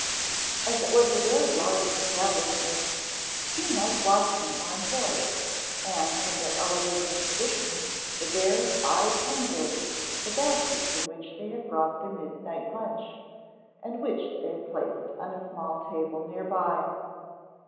As it was a very large establishment two night watchmen were employed, and from their elevated position the bears eyed hungrily the baskets in which they had brought their midnight lunch, and which they had placed on a small table near by.